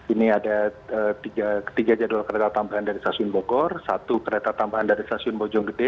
ini ada tiga jadwal kereta tambahan dari stasiun bogor satu kereta tambahan dari stasiun bojonggede